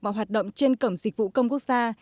và hoạt động trên cẩm dịch vụ công quốc gia